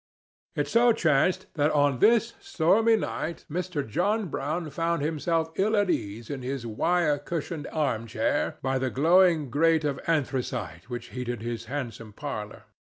It so chanced that on this stormy night Mr. John Brown found himself ill at ease in his wire cushioned arm chair by the glowing grate of anthracite which heated his handsome parlor.